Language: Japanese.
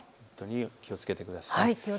気をつけてください。